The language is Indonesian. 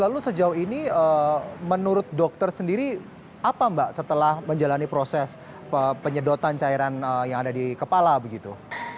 lalu sejauh ini menurut dokter sendiri apa mbak setelah menjalani proses penyedotan cairan yang ada di kepala begitu